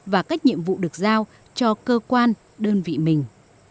và các nhiệm vụ được giao cho cơ quan đơn vị mình